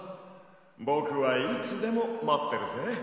ぼくはいつでもまってるぜ。